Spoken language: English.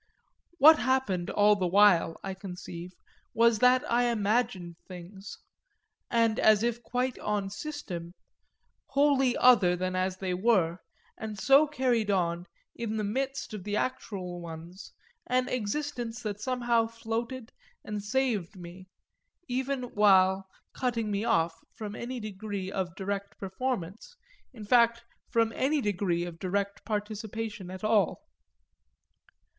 What happened all the while, I conceive, was that I imagined things and as if quite on system wholly other than as they were, and so carried on in the midst of the actual ones an existence that somehow floated and saved me even while cutting me off from any degree of direct performance, in fact from any degree of direct participation, at all.